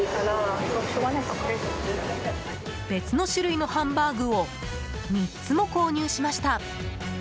別の種類のハンバーグを３つも購入しました。